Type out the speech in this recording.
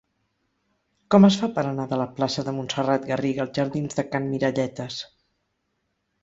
Com es fa per anar de la plaça de Montserrat Garriga als jardins de Can Miralletes?